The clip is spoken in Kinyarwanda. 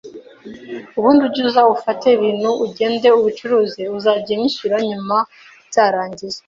ubundi ujye uza ufate ibintu, ugende ubicuruze, uzajye unyishyura nyuma byarangiye